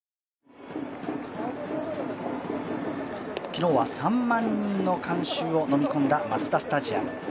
昨日は３万人の観衆を飲み込んだマツダスタジアム。